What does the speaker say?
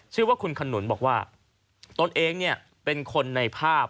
ชื่อว่าคุณขนุนบอกว่าตนเองเนี่ยเป็นคนในภาพ